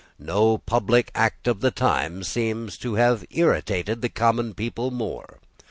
No public act of that time seems to have irritated the common people more.